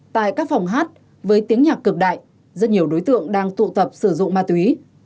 tại các phòng hát với tiếng nhạc cực đại rất nhiều đối tượng đang tụ tập sử dụng ma túy